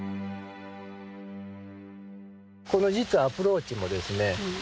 この実はアプローチもですね